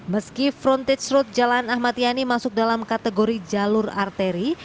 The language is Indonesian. meski frontage road jalan ahmad yani masuk dalam kategori jalur arteri